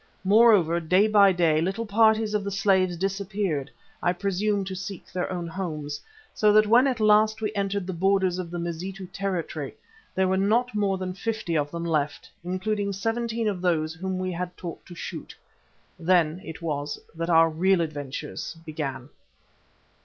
Moreover, day by day little parties of the slaves disappeared, I presume to seek their own homes, so that when at last we entered the borders of the Mazitu country there were not more than fifty of them left, including seventeen of those whom we had taught to shoot. Then it was that our real adventures began.